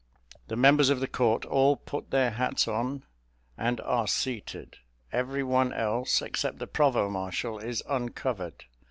The members of the court all put their hats on, and are seated; every one else, except the provost marshal is uncovered.